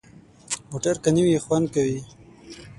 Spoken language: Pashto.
موټر که نوي وي، خوند کوي.